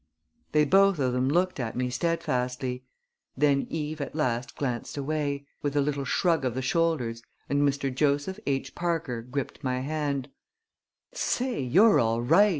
They both of them looked at me steadfastly. Then Eve at last glanced away, with a little shrug of the shoulders, and Mr. Joseph H. Parker gripped my hand. "Say, you're all right!"